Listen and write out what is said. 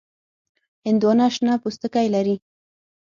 هندوانه شنه پوستکی لري.